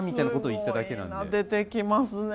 出てきますねえ。